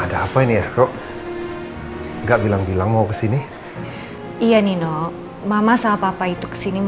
ada apa ini ya kok enggak bilang bilang mau kesini iya nih no mama sama papa itu kesini